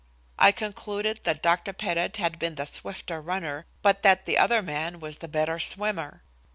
I concluded that Dr. Pettit had been the swifter runner, but that the other man was the better swimmer.